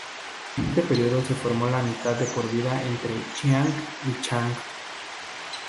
En este período se formó la amistad de por vida entre Chiang y Chang.